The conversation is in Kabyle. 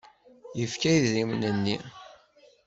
Yefka idrimen-nni.